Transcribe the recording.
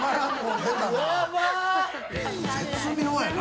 絶妙やな。